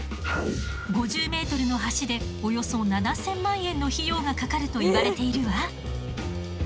５０ｍの橋でおよそ７，０００万円の費用がかかるといわれているわ。